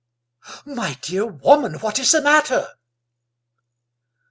My dear woman, what is the matter?"